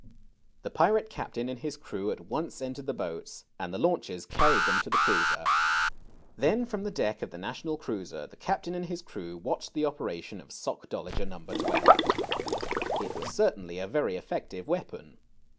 The pirate captain and his crew at once entered the boats, and the launches carried them to the cruiser. Then from the deck of the " National Cruiser " the captain and Tiis crew watched the operation of Sock dolager No. 12. It was certainly a very effective weapon.